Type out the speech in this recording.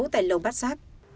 tại lầu bát giác